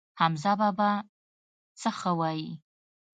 حمزه بابا څه ښه وايي.